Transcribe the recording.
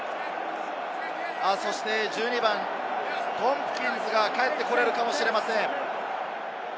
そして１２番、トンプキンズが帰ってこられるかもしれません。